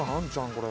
これ。